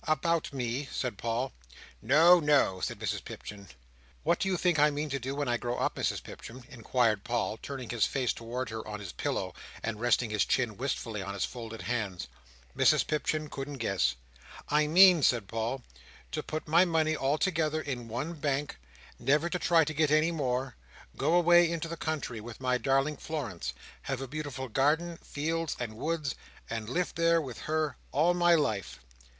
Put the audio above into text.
"About me," said Paul. "No, no," said Mrs Pipchin. "What do you think I mean to do when I grow up, Mrs Pipchin?" inquired Paul, turning his face towards her on his pillow, and resting his chin wistfully on his folded hands. Mrs Pipchin couldn't guess. "I mean," said Paul, "to put my money all together in one Bank, never try to get any more, go away into the country with my darling Florence, have a beautiful garden, fields, and woods, and live there with her all my life!"